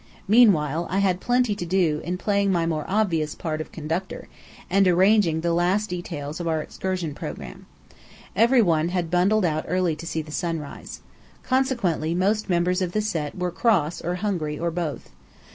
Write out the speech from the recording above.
Meanwhile I had plenty to do in playing my more obvious part of Conductor, and arranging the last details of our excursion programme. Every one had bundled out early to see the sunrise. Consequently most members of the Set were cross or hungry, or both.